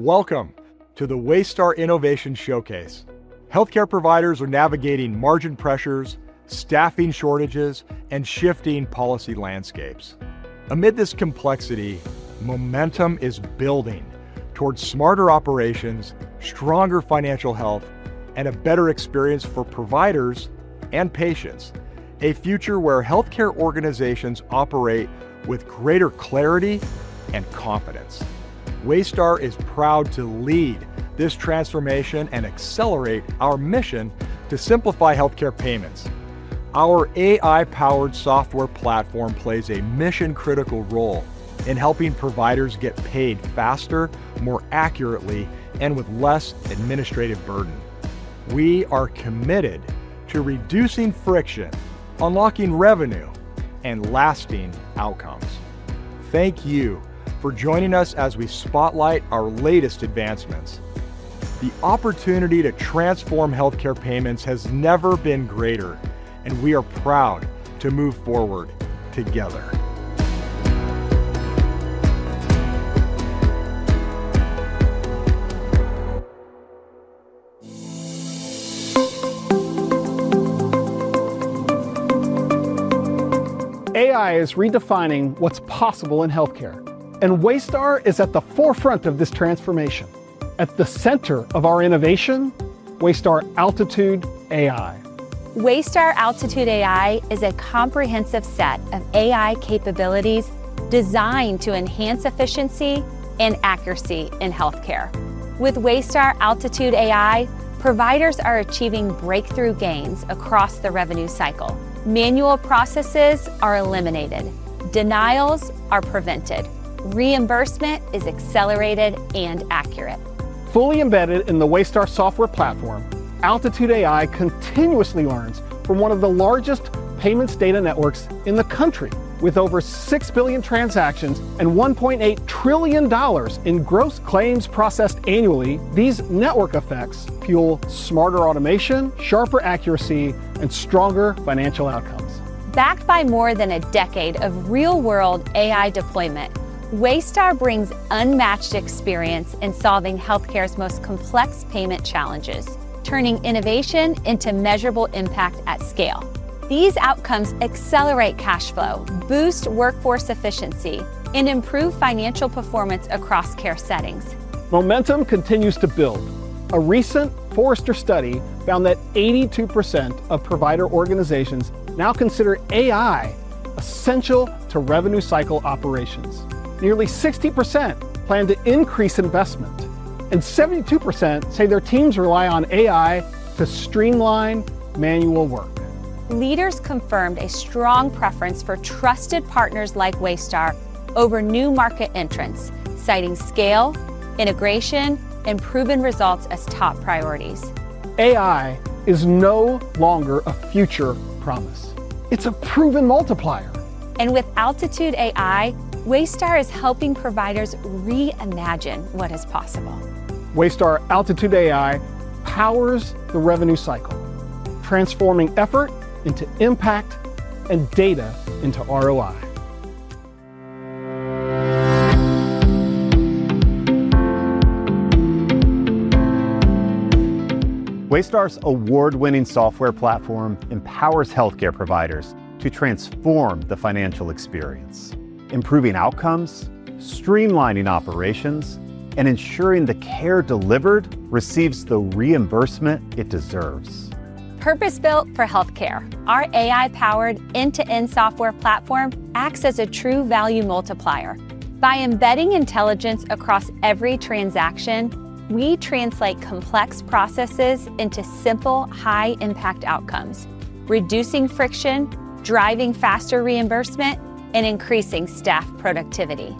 Welcome to the Waystar Innovation Showcase. Healthcare providers are navigating margin pressures, staffing shortages, and shifting policy landscapes. Amid this complexity, momentum is building towards smarter operations, stronger financial health, and a better experience for providers and patients. A future where healthcare organizations operate with greater clarity and confidence. Waystar is proud to lead this transformation and accelerate our mission to simplify healthcare payments. Our AI-powered software platform plays a mission-critical role in helping providers get paid faster, more accurately, and with less administrative burden. We are committed to reducing friction, unlocking revenue, and lasting outcomes. Thank you for joining us as we spotlight our latest advancements. The opportunity to transform healthcare payments has never been greater, and we are proud to move forward together. AI is redefining what's possible in healthcare, and Waystar is at the forefront of this transformation. At the center of our innovation: Waystar AltitudeAI. Waystar AltitudeAI is a comprehensive set of AI-powered capabilities designed to enhance efficiency and accuracy in healthcare. With Waystar AltitudeAI, providers are achieving breakthrough gains across the revenue cycle. Manual processes are eliminated, denials are prevented, reimbursement is accelerated and accurate. Fully embedded in the Waystar software platform, AltitudeAI continuously learns from one of the largest payments data networks in the U.S. With over 6 billion transactions and $1.8 trillion in gross claims processed annually, these network effects fuel smarter automation, sharper accuracy, and stronger financial outcomes. Backed by more than a decade of real-world AI deployment, Waystar brings unmatched experience in solving healthcare's most complex payment challenges, turning innovation into measurable impact at scale. These outcomes accelerate cash flow, boost workforce efficiency, and improve financial performance across care settings. Momentum continues to build. A recent Forrester study found that 82% of provider organizations now consider AI essential to revenue cycle operations. Nearly 60% plan to increase investment, and 72% say their teams rely on AI to streamline manual work. Leaders confirmed a strong preference for trusted partners like Waystar over new market entrants, citing scale, integration, and proven results as top priorities. AI is no longer a future promise. It's a proven multiplier. With AltitudeAI, Waystar is helping providers reimagine what is possible. Waystar AltitudeAI powers the revenue cycle, transforming effort into impact and data into ROI. Waystar's award-winning software platform empowers healthcare providers to transform the financial experience, improving outcomes, streamlining operations, and ensuring the care delivered receives the reimbursement it deserves. Purpose-built for healthcare, our AI-powered end-to-end software platform acts as a true value multiplier. By embedding intelligence across every transaction, we translate complex processes into simple, high-impact outcomes, reducing friction, driving faster reimbursement, and increasing staff productivity.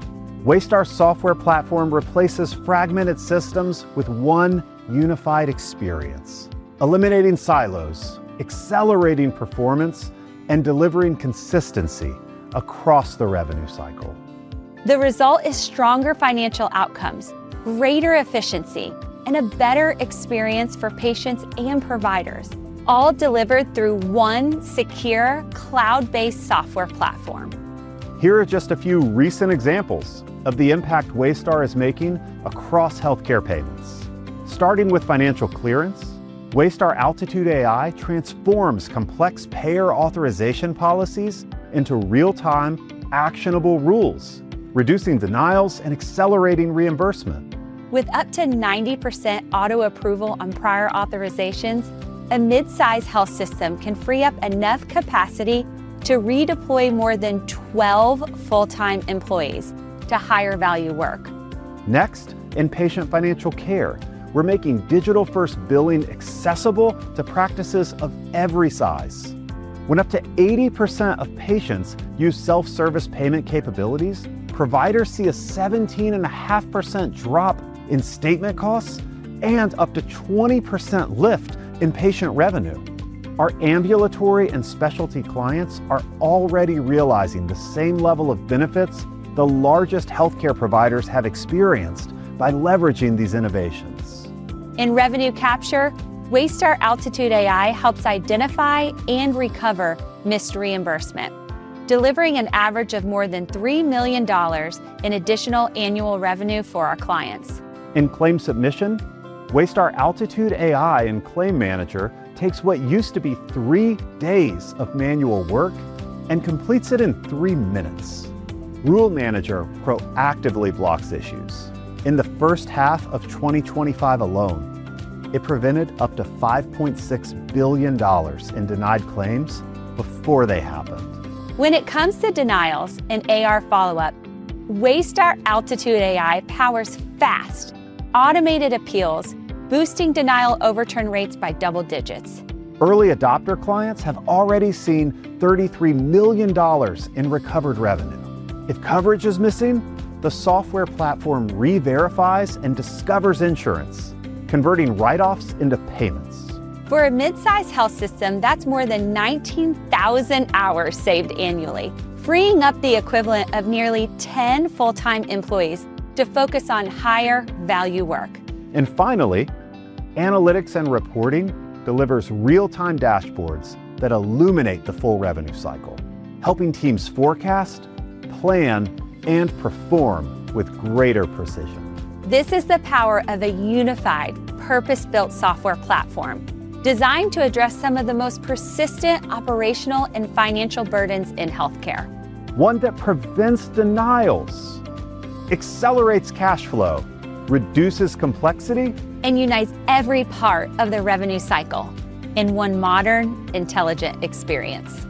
Waystar's software platform replaces fragmented systems with one unified experience, eliminating silos, accelerating performance, and delivering consistency across the revenue cycle. The result is stronger financial outcomes, greater efficiency, and a better experience for patients and providers, all delivered through one secure cloud-based software platform. Here are just a few recent examples of the impact Waystar is making across healthcare payments. Starting with financial clearance, Waystar AltitudeAI transforms complex payer authorization policies into real-time, actionable rules, reducing denials and accelerating reimbursement. With up to 90% auto-approval on prior authorizations, a mid-size health system can free up enough capacity to redeploy more than 12 full-time employees to higher-value work. Next, in patient financial care, we're making digital-first billing accessible to practices of every size. When up to 80% of patients use self-service payment capabilities, providers see a 17.5% drop in statement costs and up to 20% lift in patient revenue. Our ambulatory and specialty clients are already realizing the same level of benefits the largest healthcare providers have experienced by leveraging these innovations. In revenue capture, Waystar AltitudeAI helps identify and recover missed reimbursement, delivering an average of more than $3 million in additional annual revenue for our clients. In claim submission, Waystar AltitudeAI in Claim Manager takes what used to be three days of manual work and completes it in three minutes. Rule Manager proactively blocks issues. In the first half of 2025 alone, it prevented up to $5.6 billion in denied claims before they happened. When it comes to denials and AR follow-up, Waystar AltitudeAI powers fast, automated appeals, boosting denial overturn rates by double digits. Early adopter clients have already seen $33 million in recovered revenue. If coverage is missing, the software platform reverifies and discovers insurance, converting write-offs into payments. For a mid-size health system, that's more than 19,000 hours saved annually, freeing up the equivalent of nearly 10 full-time employees to focus on higher-value work. Analytics and reporting deliver real-time dashboards that illuminate the full revenue cycle, helping teams forecast, plan, and perform with greater precision. This is the power of a unified, purpose-built software platform, designed to address some of the most persistent operational and financial burdens in healthcare. One that prevents denials, accelerates cash flow, reduces complexity. and unites every part of the revenue cycle in one modern, intelligent experience.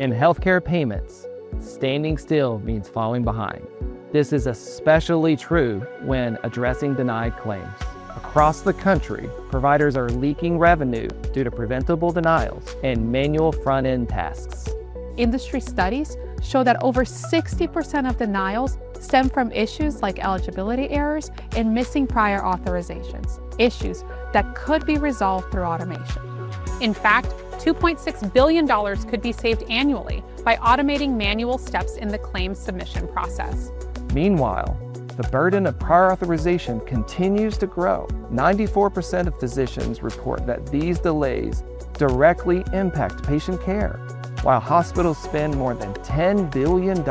In healthcare payments, standing still means falling behind. This is especially true when addressing denied claims. Across the country, providers are leaking revenue due to preventable denials and manual front-end tasks. Industry studies show that over 60% of denials stem from issues like eligibility errors and missing prior authorizations, issues that could be resolved through automation. In fact, $2.6 billion could be saved annually by automating manual steps in the claim submission process. Meanwhile, the burden of prior authorization continues to grow. 94% of physicians report that these delays directly impact patient care, while hospitals spend more than $10 billion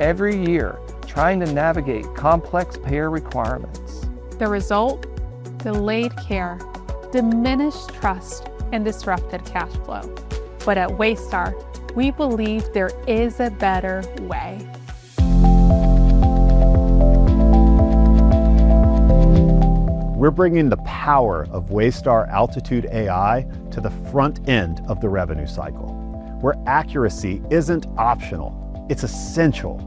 every year trying to navigate complex payer requirements. The result? Delayed care, diminished trust, and disrupted cash flow. At Waystar, we believe there is a better way. We're bringing the power of Waystar AltitudeAI to the front end of the revenue cycle, where accuracy isn't optional, it's essential.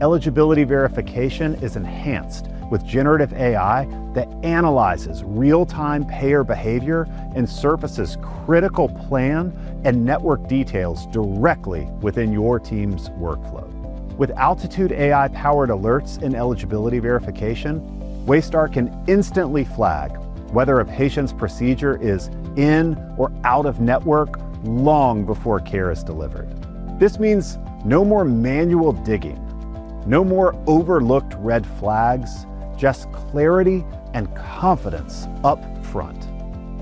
Eligibility verification is enhanced with generative AI that analyzes real-time payer behavior and surfaces critical plan and network details directly within your team's workflow. With AltitudeAI-powered alerts and eligibility verification, Waystar can instantly flag whether a patient's procedure is in or out of network long before care is delivered. This means no more manual digging, no more overlooked red flags, just clarity and confidence up front.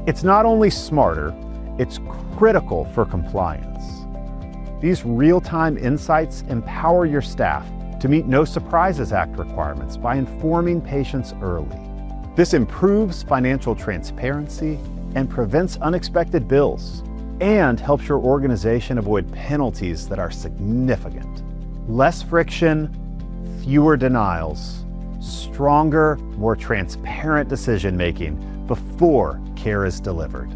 It's not only smarter, it's critical for compliance. These real-time insights empower your staff to meet No Surprises Act requirements by informing patients early. This improves financial transparency and prevents unexpected bills and helps your organization avoid penalties that are significant. Less friction, fewer denials, stronger, more transparent decision-making before care is delivered.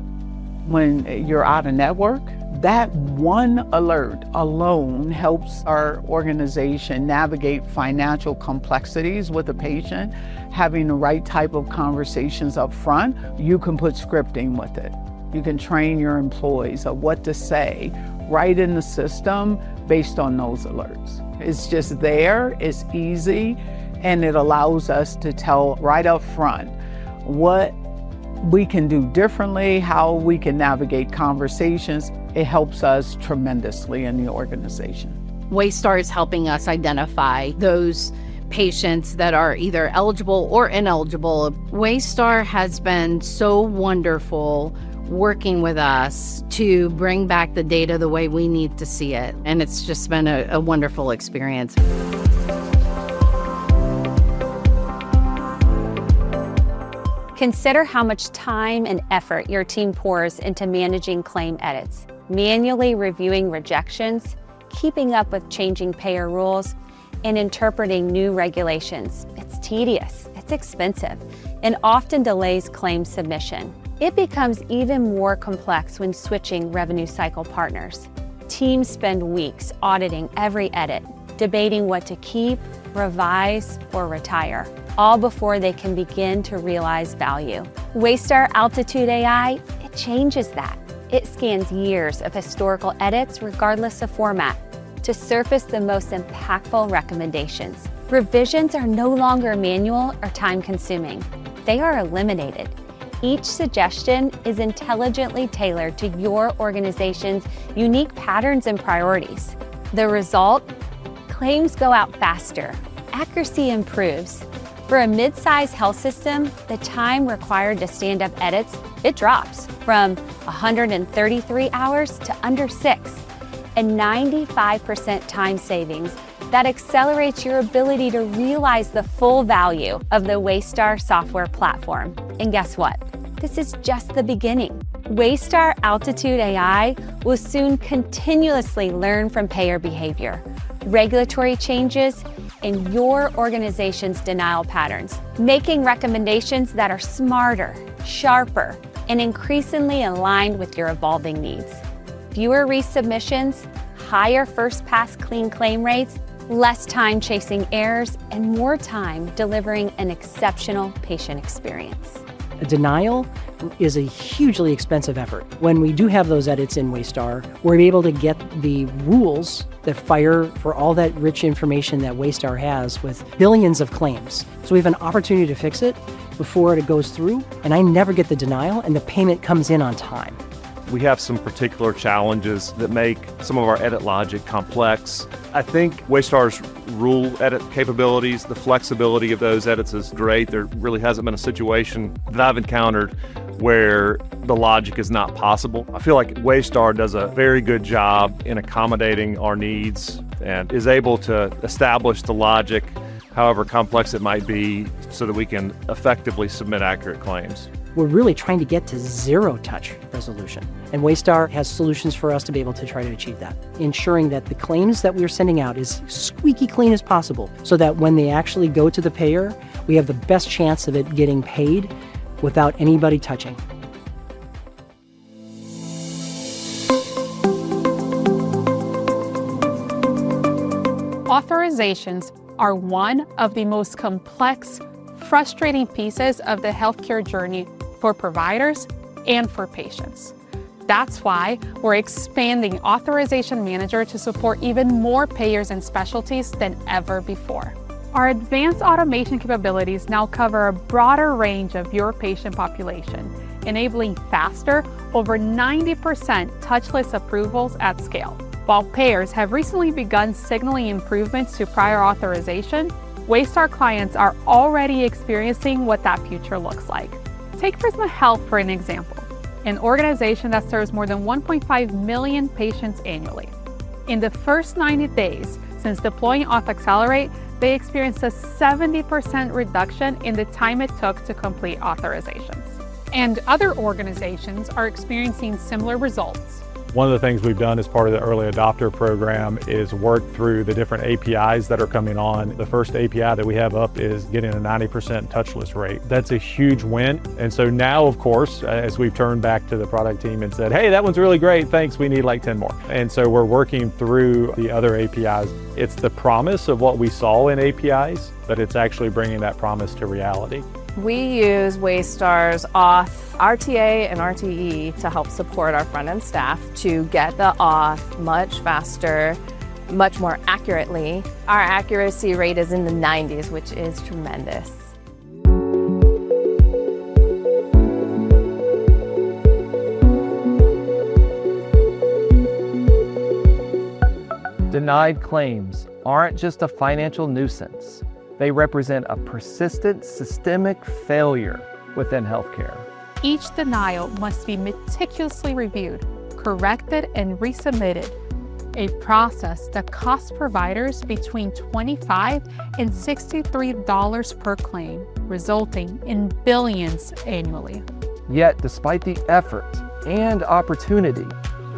When you're out of network, that one alert alone helps our organization navigate financial complexities with a patient, having the right type of conversations up front. You can put scripting with it. You can train your employees on what to say right in the system based on those alerts. It's just there, it's easy, and it allows us to tell right up front what we can do differently, how we can navigate conversations. It helps us tremendously in the organization. Waystar is helping us identify those patients that are either eligible or ineligible. Waystar has been so wonderful working with us to bring back the data the way we need to see it, and it's just been a wonderful experience. Consider how much time and effort your team pours into managing claim edits, manually reviewing rejections, keeping up with changing payer rules, and interpreting new regulations. It's tedious, it's expensive, and often delays claim submission. It becomes even more complex when switching revenue cycle partners. Teams spend weeks auditing every edit, debating what to keep, revise, or retire, all before they can begin to realize value. Waystar AltitudeAI changes that. It scans years of historical edits regardless of format to surface the most impactful recommendations. Revisions are no longer manual or time-consuming. They are eliminated. Each suggestion is intelligently tailored to your organization's unique patterns and priorities. The result? Claims go out faster, accuracy improves. For a mid-size health system, the time required to stand up edits drops from 133 hours to under six, and 95% time savings. That accelerates your ability to realize the full value of the Waystar software platform. Guess what? This is just the beginning. Waystar AltitudeAI will soon continuously learn from payer behavior, regulatory changes, and your organization's denial patterns, making recommendations that are smarter, sharper, and increasingly aligned with your evolving needs. Fewer resubmissions, higher first pass clean claim rates, less time chasing errors, and more time delivering an exceptional patient experience. A denial is a hugely expensive effort. When we do have those edits in Waystar, we're able to get the rules that fire for all that rich information that Waystar has with billions of claims. We have an opportunity to fix it before it goes through, and I never get the denial, and the payment comes in on time. We have some particular challenges that make some of our edit logic complex. I think Waystar's rule edit capabilities, the flexibility of those edits, is great. There really hasn't been a situation that I've encountered where the logic is not possible. I feel like Waystar does a very good job in accommodating our needs and is able to establish the logic, however complex it might be, so that we can effectively submit accurate claims. We're really trying to get to zero-touch resolution, and Waystar has solutions for us to be able to try to achieve that, ensuring that the claims that we are sending out are as squeaky clean as possible, so that when they actually go to the payer, we have the best chance of it getting paid without anybody touching. Authorizations are one of the most complex, frustrating pieces of the healthcare journey for providers and for patients. That's why we're expanding Authorization Manager to support even more payers and specialties than ever before. Our advanced automation capabilities now cover a broader range of your patient population, enabling faster, over 90% touchless approvals at scale. While payers have recently begun signaling improvements to prior authorization, Waystar clients are already experiencing what that future looks like. Take Prisma Health for an example, an organization that serves more than 1.5 million patients annually. In the first 90 days since deploying Auth Accelerate, they experienced a 70% reduction in the time it took to complete authorizations. Other organizations are experiencing similar results. One of the things we've done as part of the early adopter program is work through the different APIs that are coming on. The first API that we have up is getting a 90% touchless rate. That's a huge win. As we've turned back to the product team and said, "Hey, that one's really great. Thanks. We need like 10 more." We're working through the other APIs. It's the promise of what we saw in APIs, but it's actually bringing that promise to reality. We use Waystar's Auth RTA and RTE to help support our front-end staff to get the Auth much faster, much more accurately. Our accuracy rate is in the 90%, which is tremendous. Denied claims aren't just a financial nuisance. They represent a persistent systemic failure within healthcare. Each denial must be meticulously reviewed, corrected, and resubmitted, a process that costs providers between $25-$63 per claim, resulting in billions annually. Yet, despite the effort and opportunity,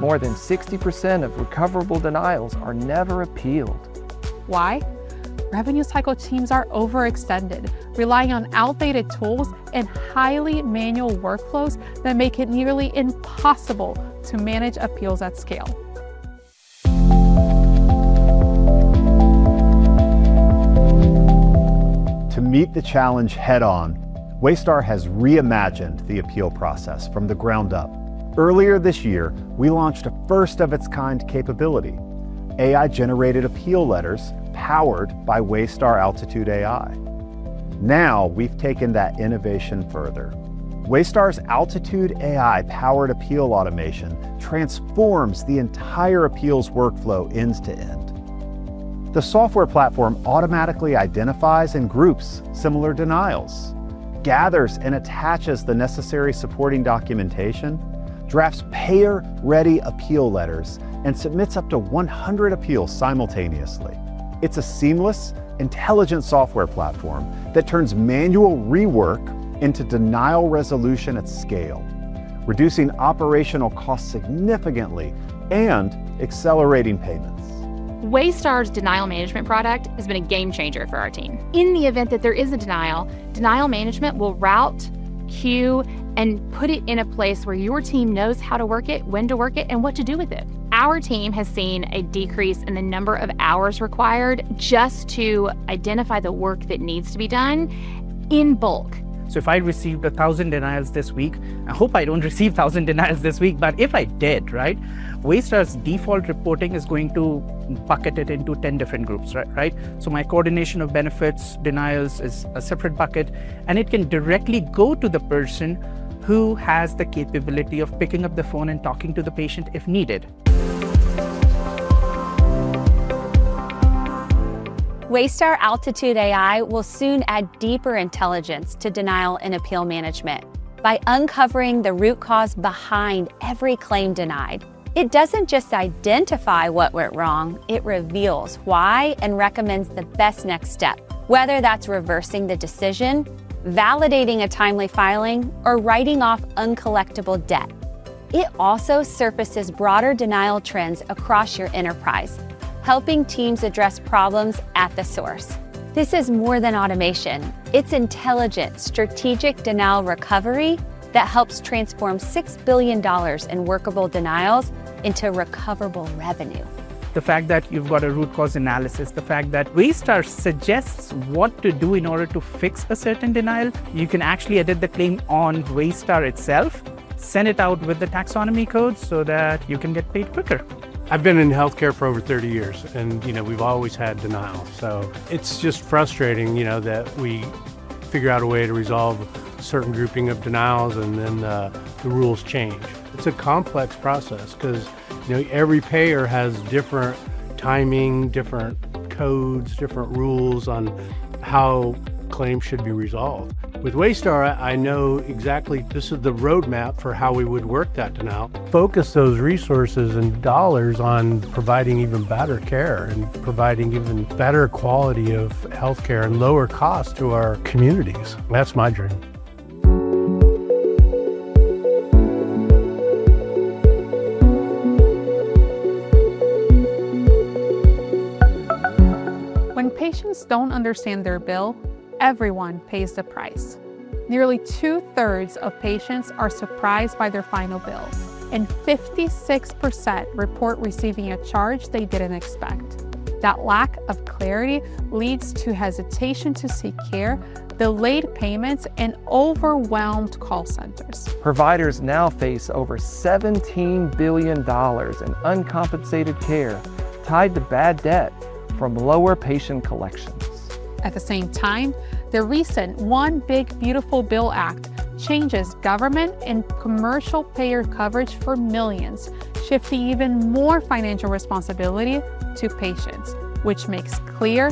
more than 60% of recoverable denials are never appealed. Why? Revenue cycle teams are overextended, relying on outdated tools and highly manual workflows that make it nearly impossible to manage appeals at scale. To meet the challenge head-on, Waystar has reimagined the appeal process from the ground up. Earlier this year, we launched a first-of-its-kind capability: AI-generated appeal letters powered by Waystar AltitudeAI. Now we've taken that innovation further. Waystar's AltitudeAI-powered appeal automation transforms the entire appeals workflow end-to-end. The software platform automatically identifies and groups similar denials, gathers and attaches the necessary supporting documentation, drafts payer-ready appeal letters, and submits up to 100 appeals simultaneously. It's a seamless, intelligent software platform that turns manual rework into denial resolution at scale, reducing operational costs significantly and accelerating payments. Waystar's denial management product has been a game changer for our team. In the event that there is a denial, denial management will route, queue, and put it in a place where your team knows how to work it, when to work it, and what to do with it. Our team has seen a decrease in the number of hours required just to identify the work that needs to be done in bulk. If I receive 1,000 denials this week—I hope I don't receive 1,000 denials this week, but if I did—Waystar's default reporting is going to bucket it into 10 different groups. My coordination of benefits denials is a separate bucket, and it can directly go to the person who has the capability of picking up the phone and talking to the patient if needed. Waystar AltitudeAI will soon add deeper intelligence to denial and appeal management. By uncovering the root cause behind every claim denied, it doesn't just identify what went wrong, it reveals why and recommends the best next step, whether that's reversing the decision, validating a timely filing, or writing off uncollectible debt. It also surfaces broader denial trends across your enterprise, helping teams address problems at the source. This is more than automation. It's intelligent strategic denial recovery that helps transform $6 billion in workable denials into recoverable revenue. The fact that you've got a root cause analysis, the fact that Waystar suggests what to do in order to fix a certain denial, you can actually edit the claim on Waystar itself, send it out with the taxonomy code, so that you can get paid quicker. I've been in healthcare for over 30 years, and you know we've always had denials. It's just frustrating that we figure out a way to resolve a certain grouping of denials, and then the rules change. It's a complex process because every payer has different timing, different codes, different rules on how claims should be resolved. With Waystar, I know exactly this is the roadmap for how we would work that denial, focus those resources and dollars on providing even better care and providing even better quality of healthcare and lower cost to our communities. That's my dream. When patients don't understand their bill, everyone pays the price. Nearly 2/3 of patients are surprised by their final bill, and 56% report receiving a charge they didn't expect. That lack of clarity leads to hesitation to seek care, delayed payments, and overwhelmed call centers. Providers now face over $17 billion in uncompensated care tied to bad debt from lower patient collections. At the same time, the recent One Big Beautiful Bill Act changes government and commercial payer coverage for millions, shifting even more financial responsibility to patients, which makes clear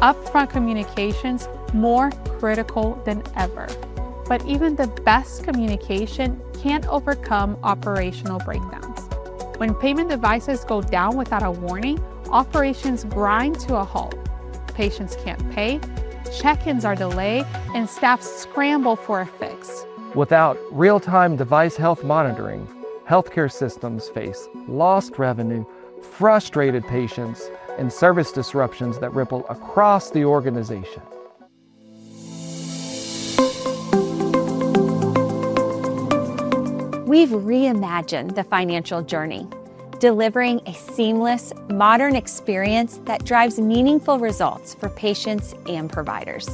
upfront communications more critical than ever. Even the best communication can't overcome operational breakdowns. When payment devices go down without a warning, operations grind to a halt. Patients can't pay, check-ins are delayed, and staff scramble for a fix. Without real-time device health monitoring, healthcare systems face lost revenue, frustrated patients, and service disruptions that ripple across the organization. We've reimagined the financial journey, delivering a seamless, modern experience that drives meaningful results for patients and providers.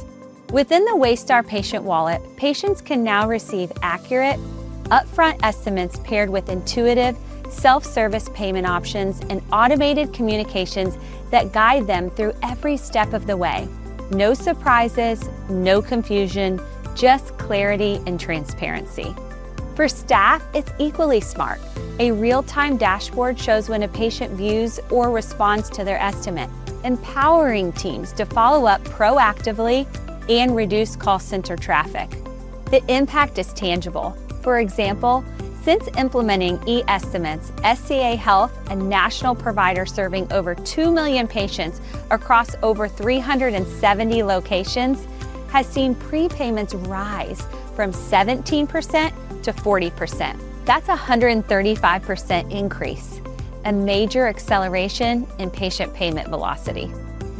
Within the Waystar Patient Wallet, patients can now receive accurate, upfront estimates paired with intuitive self-service payment options and automated communications that guide them through every step of the way. No surprises, no confusion, just clarity and transparency. For staff, it's equally smart. A real-time dashboard shows when a patient views or responds to their estimate, empowering teams to follow up proactively and reduce call center traffic. The impact is tangible. For example, since implementing e-estimates, SCA Health, a national provider serving over 2 million patients across over 370 locations, has seen pre-payments rise from 17% to 40%. That's a 135% increase, a major acceleration in patient payment velocity.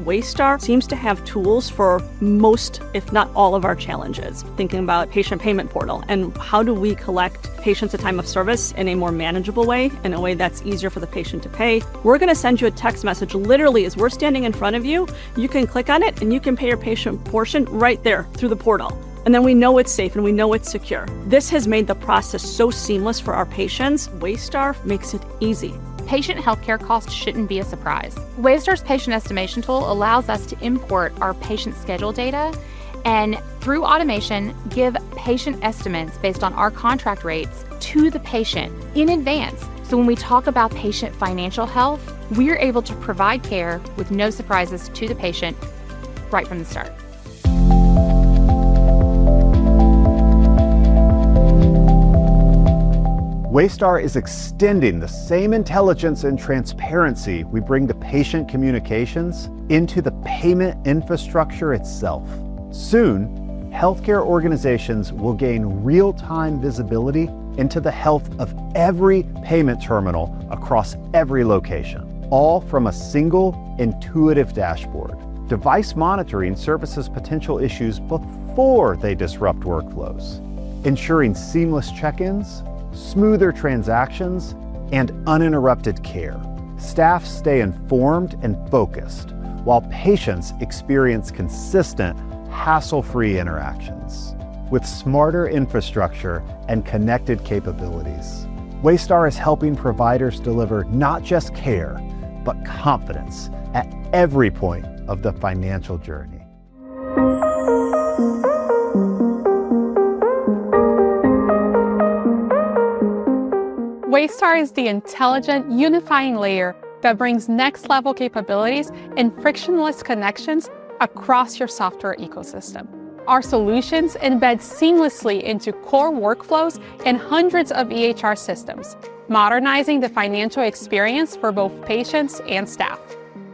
Waystar seems to have tools for most, if not all, of our challenges. Thinking about a patient payment portal and how do we collect patients at time of service in a more manageable way, in a way that's easier for the patient to pay. We're going to send you a text message literally as we're standing in front of you. You can click on it and you can pay your patient portion right there through the portal. We know it's safe and we know it's secure. This has made the process so seamless for our patients. Waystar makes it easy. Patient healthcare costs shouldn't be a surprise. Waystar's patient estimation tool allows us to import our patient schedule data and, through automation, give patient estimates based on our contract rates to the patient in advance. When we talk about patient financial health, we're able to provide care with no surprises to the patient right from the start. Waystar is extending the same intelligence and transparency we bring to patient communications into the payment infrastructure itself. Soon, healthcare organizations will gain real-time visibility into the health of every payment terminal across every location, all from a single intuitive dashboard. Device monitoring surfaces potential issues before they disrupt workflows, ensuring seamless check-ins, smoother transactions, and uninterrupted care. Staff stay informed and focused while patients experience consistent, hassle-free interactions. With smarter infrastructure and connected capabilities, Waystar is helping providers deliver not just care, but confidence at every point of the financial journey. Waystar is the intelligent, unifying layer that brings next-level capabilities and frictionless connections across your software ecosystem. Our solutions embed seamlessly into core workflows and hundreds of EHR systems, modernizing the financial experience for both patients and staff.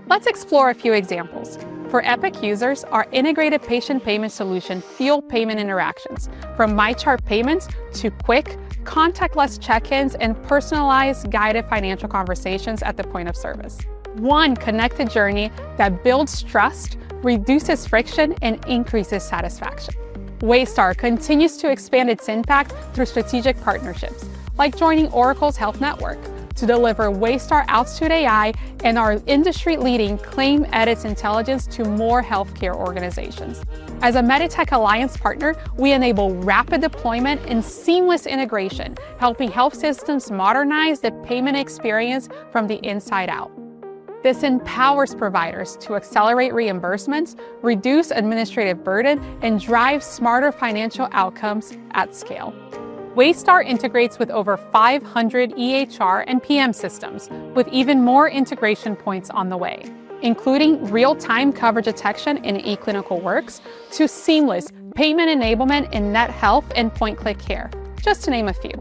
Let's explore a few examples. For Epic users, our integrated patient payment solution fuels payment interactions from MyChart payments to quick, contactless check-ins and personalized, guided financial conversations at the point of service. One connected journey that builds trust, reduces friction, and increases satisfaction. Waystar continues to expand its impact through strategic partnerships, like joining Oracle's Health Network to deliver Waystar AltitudeAI and our industry-leading claim edits intelligence to more healthcare organizations. As a MEDITECH Alliance partner, we enable rapid deployment and seamless integration, helping health systems modernize the payment experience from the inside out. This empowers providers to accelerate reimbursements, reduce administrative burden, and drive smarter financial outcomes at scale. Waystar integrates with over 500 EHR and PM systems, with even more integration points on the way, including real-time coverage detection in eClinicalWorks to seamless payment enablement in NetHealth and PointClickCare, just to name a few.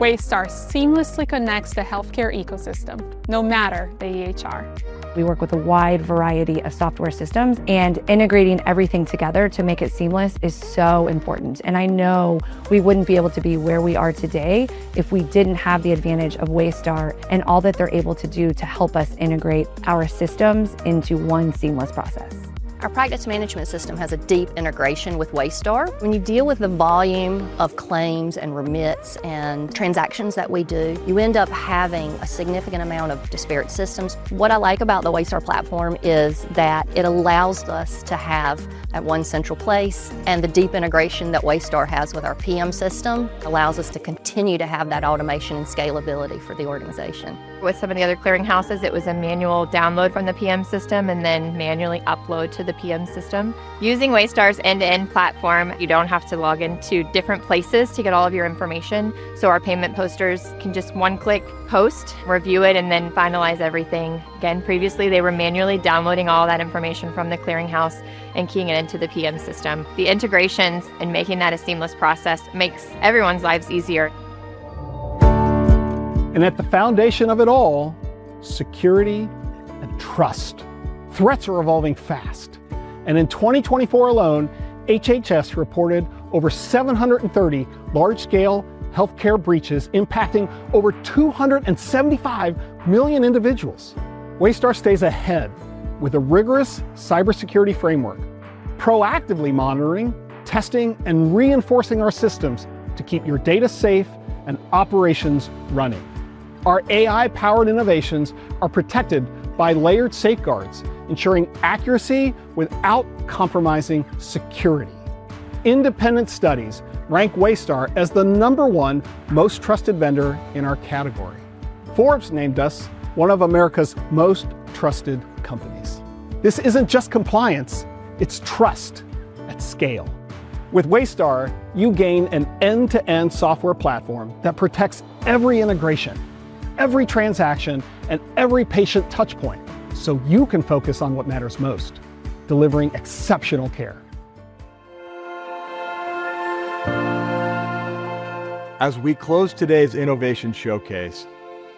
Waystar seamlessly connects the healthcare ecosystem, no matter the EHR. We work with a wide variety of software systems, and integrating everything together to make it seamless is so important. I know we wouldn't be able to be where we are today if we didn't have the advantage of Waystar and all that they're able to do to help us integrate our systems into one seamless process. Our practice management system has a deep integration with Waystar. When you deal with the volume of claims and remits and transactions that we do, you end up having a significant amount of disparate systems. What I like about the Waystar platform is that it allows us to have that one central place, and the deep integration that Waystar has with our PM system allows us to continue to have that automation and scalability for the organization. With so many other clearinghouses, it was a manual download from the PM system and then manually upload to the PM system. Using Waystar's end-to-end platform, you don't have to log into different places to get all of your information. Our payment posters can just one-click post, review it, and then finalize everything. Previously, they were manually downloading all that information from the clearinghouse and keying it into the PM system. The integrations and making that a seamless process make everyone's lives easier. At the foundation of it all, security and trust. Threats are evolving fast. In 2024 alone, HHS reported over 730 large-scale healthcare breaches impacting over 275 million individuals. Waystar stays ahead with a rigorous cybersecurity framework, proactively monitoring, testing, and reinforcing our systems to keep your data safe and operations running. Our AI-powered innovations are protected by layered safeguards, ensuring accuracy without compromising security. Independent studies rank Waystar as the number one most trusted vendor in our category. Forbes named us one of America's most trusted companies. This isn't just compliance, it's trust at scale. With Waystar, you gain an end-to-end software platform that protects every integration, every transaction, and every patient touchpoint so you can focus on what matters most: delivering exceptional care. As we close today's Innovation Showcase,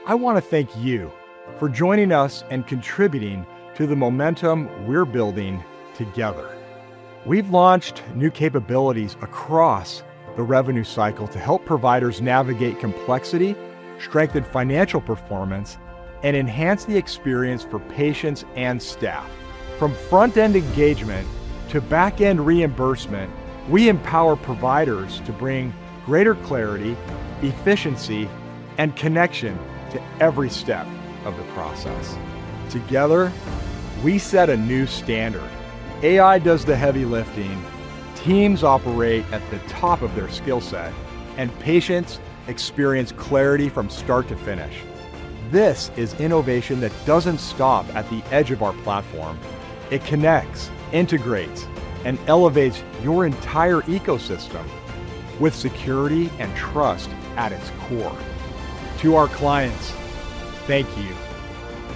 I want to thank you for joining us and contributing to the momentum we're building together. We've launched new capabilities across the revenue cycle to help providers navigate complexity, strengthen financial performance, and enhance the experience for patients and staff. From front-end engagement to back-end reimbursement, we empower providers to bring greater clarity, efficiency, and connection to every step of the process. Together, we set a new standard. AI does the heavy lifting, teams operate at the top of their skill set, and patients experience clarity from start to finish. This is innovation that doesn't stop at the edge of our platform. It connects, integrates, and elevates your entire ecosystem with security and trust at its core. To our clients, thank you.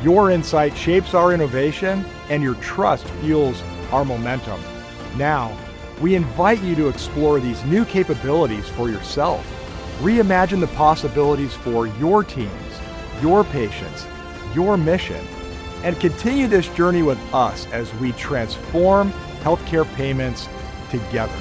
Your insight shapes our innovation, and your trust fuels our momentum. Now, we invite you to explore these new capabilities for yourself, reimagine the possibilities for your teams, your patients, your mission, and continue this journey with us as we transform healthcare payments together.